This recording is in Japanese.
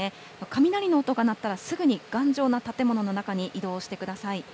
雷の音が鳴ったら、すぐに頑丈な建物の中に移動してください。